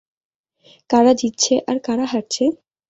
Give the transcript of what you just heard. কারা জিতছে, আর কারা হারছে?